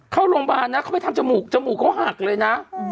เข้าโรงพยาบาลนะเขาไปทำจมูกจมูกเขาหักเลยนะ